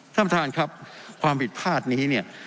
ท่ามทางครับความผิดพลาดนี้